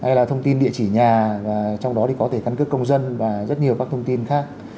hay là thông tin địa chỉ nhà trong đó thì có thể căn cước công dân và rất nhiều các thông tin khác